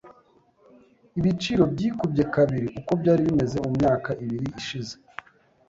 Ibiciro byikubye kabiri uko byari bimeze mumyaka ibiri ishize .